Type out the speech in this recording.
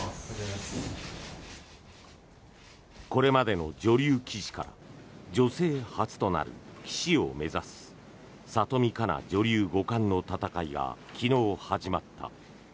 これまでの女流棋士から女性初となる棋士を目指す里見香奈女流五冠の戦いが昨日、始まった。